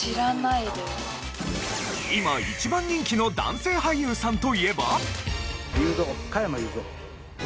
今一番人気の男性俳優さんといえば？